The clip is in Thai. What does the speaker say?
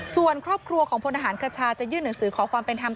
ส่วนครอบครัวของพลทหารคชาจะยื่นหนังสือขอความเป็นธรรม